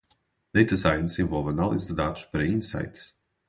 Data Science envolve análise de dados para insights.